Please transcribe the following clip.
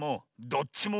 どっちも？